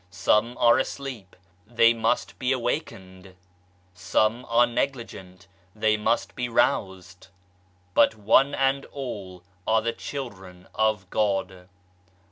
Some are asleep they must be awakened ; some are negligent they must be roused ; but one and all are the children of God.